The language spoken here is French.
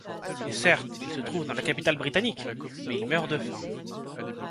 Et certes, il se trouve dans la capitale britannique, mais il meurt de faim.